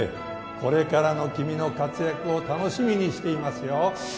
これからの君の活躍を楽しみにしていますよ